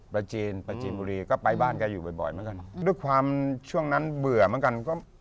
ประจินกิมบุรีก็ไปบ้านเขาอยู่บ่อยแล้วก็ดูความช่วงนั้นเบื่อเหมือนกัน